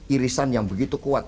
irisan yang begitu kuat